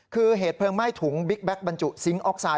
คือเหตุเพลิงไหม้ถุงบิ๊กแก๊กบรรจุซิงค์ออกไซด